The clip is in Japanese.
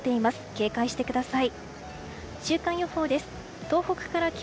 警戒してください。